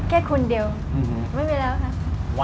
แค่คนเดียวไม่มีแล้วค่ะ